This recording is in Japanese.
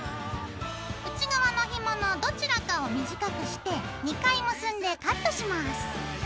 内側のひものどちらかを短くして２回結んでカットします。